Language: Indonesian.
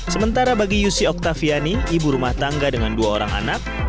sementara bagi yusi oktaviani ibu rumah tangga dengan dua orang anak